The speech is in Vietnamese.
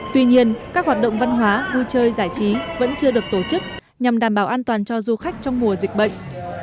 tuy nhiên các hoạt động văn hóa vui chơi giải trí vẫn chưa được tổ chức nhằm đảm bảo an toàn cho du khách trong mùa dịch bệnh